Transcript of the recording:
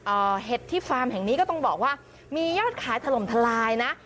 เห็ดที่ฟาร์มแห่งนี้ก็ต้องบอกว่ามียอดขายถล่มทลายนะ